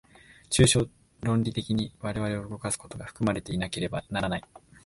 抽象論理的に我々を動かすことが含まれていなければならない。